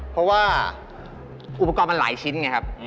เพราะว่าอุปกรณ์มันหลายชิ้นไงครับ